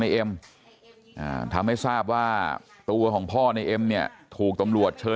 เอ็มทำให้ทราบว่าตัวของพ่อในเอ็มเนี่ยถูกตำรวจเชิญ